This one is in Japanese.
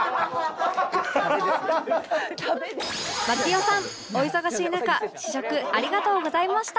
槙尾さんお忙しい中試食ありがとうございました